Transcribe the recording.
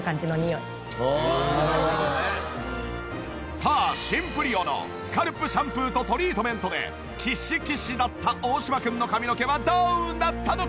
さあシンプリオのスカルプシャンプーとトリートメントでキシキシだった大島くんの髪の毛はどうなったのか！？